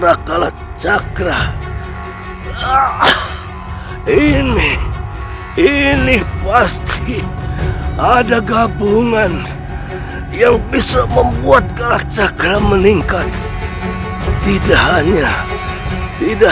raka lat cakra ini ini pasti ada gabungan yang bisa membuat kalacakra meningkat tidak hanya tidak